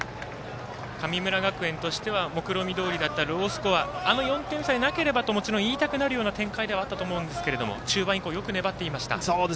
神村学園としてはもくろみどおりだったロースコア、あの４点さえなければと言いたくなるような展開ではあったと思うんですが中盤以降よく粘っていました。